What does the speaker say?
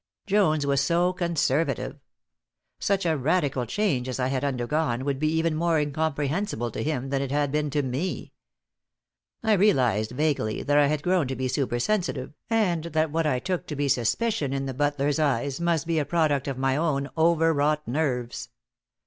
Jones was so conservative! Such a radical change as I had undergone would be even more incomprehensible to him than it had been to me. I realized vaguely that I had grown to be supersensitive, and that what I took to be suspicion in the butler's eyes must be a product of my own overwrought nerves.